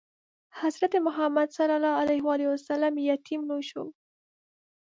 حضرت محمد ﷺ یتیم لوی شو.